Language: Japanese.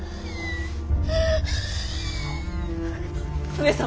上様！